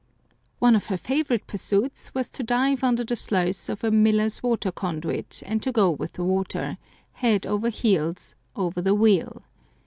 One of her favourite pursuits was to dive under the sluice of a miller's water conduit, and go with the water, head over heels, over the wheel.